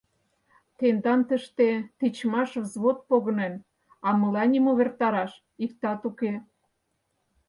— Тендан тыште тичмаш взвод погынен, а мыланем увертараш — иктат уке.